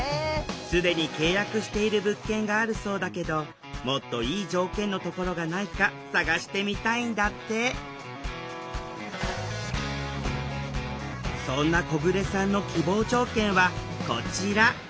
既に契約している物件があるそうだけどもっといい条件のところがないか探してみたいんだってそんな小暮さんの希望条件はこちら！